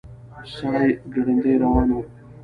سړی ګړندي روان و.